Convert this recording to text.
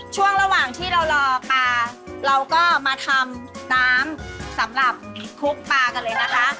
ช่วงระหว่างที่เรารอปลาเราก็มาทำน้ำสำหรับคลุกปลากันเลยนะคะ